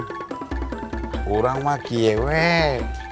kurang lagi ya weh